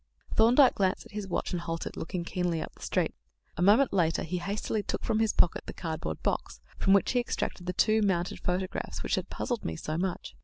Thorndyke glanced at his watch and halted, looking keenly up the street. A moment later he hastily took from his pocket the cardboard box, from which he extracted the two mounted photographs which had puzzled me so much.